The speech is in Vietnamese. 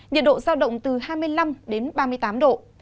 nhiệt độ giao động từ hai mươi năm đến ba mươi tám độ